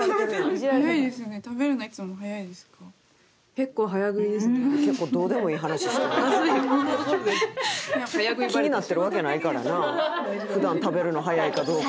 「結構どうでもいい話してる」「気になってるわけないからな普段食べるの早いかどうか」